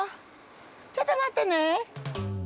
ちょっと待ってね。